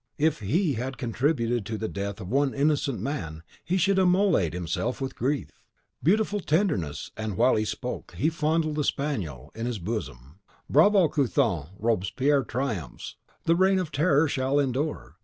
if HE had contributed to the death of one innocent man, he should immolate himself with grief." Beautiful tenderness! and while he spoke, he fondled the spaniel in his bosom. Bravo, Couthon! Robespierre triumphs! The reign of Terror shall endure!